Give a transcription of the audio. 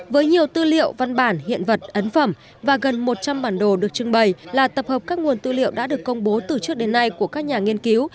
với nhiều tư liệu văn bản hiện vật ấn phẩm và gần một trăm linh bản đồ được trưng bày là tập hợp các nguồn tư liệu đã được công bố từ trước đến nay của các nhà nghiên cứu